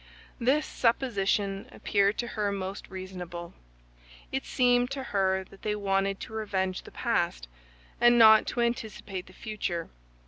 This supposition appeared to her most reasonable. It seemed to her that they wanted to revenge the past, and not to anticipate the future.